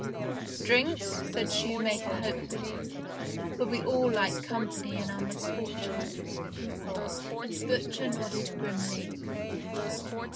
" Drink ?" said shoemaker hopefully, for we all like company in our misfortunes, and butcher nodded grimly.